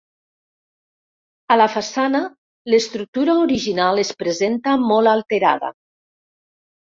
A la façana, l'estructura original es presenta molt alterada.